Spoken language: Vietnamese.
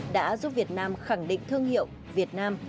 đã giúp việt nam khẳng định thương hiệu việt nam